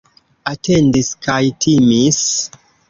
Atendis kaj timis.